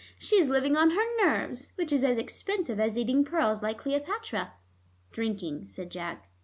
She is living on her nerves, which is as expensive as eating pearls like Cleopatra." "Drinking," said Jack.